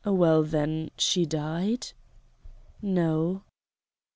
"Well, then, she died?" "No."